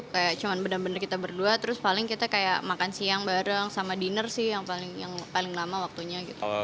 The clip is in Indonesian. kayak cuman benar benar kita berdua terus paling kita kayak makan siang bareng sama dinner sih yang paling lama waktunya gitu